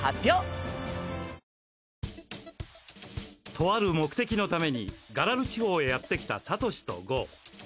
とある目的のためにガラル地方へやってきたサトシとゴウ。